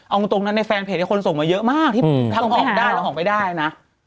เอาตรงนั้นในแฟนเพจที่คนส่งมาเยอะมากที่ทั้งหอมได้หรือหอมไม่ได้นะ